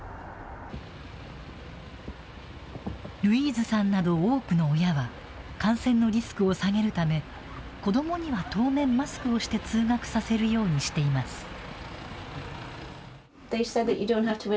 ルイーズさんなど多くの親は感染のリスクを下げるため子どもには、当面マスクをして通学させるようにしています。